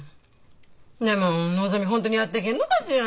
でものぞみ本当にやってけんのかしら？